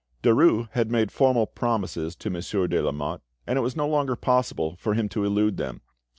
Derues had made formal promises to Monsieur de Lamotte, and it was no longer possible for him to elude them.